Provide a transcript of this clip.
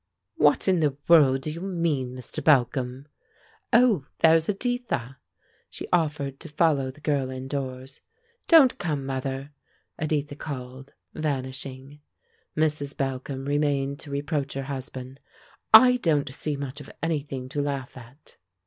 "What in the world do you mean, Mr. Balcom? Oh! There's Editha!" She offered to follow the girl indoors. "Don't come, mother!" Editha called, vanishing. Mrs. Balcom remained to reproach her husband. "I don't see much of anything to laugh at."